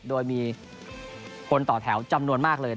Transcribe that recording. โดยมีคนต่อแถวจำนวนมากเลย